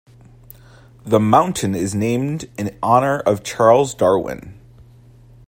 The mountain is named in honour of Charles Darwin.